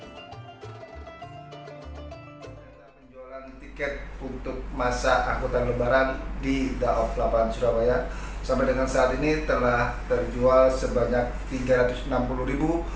data penjualan tiket untuk masa angkutan lebaran di daob delapan surabaya sampai dengan saat ini telah terjual sebanyak tiga ratus enam puluh ribu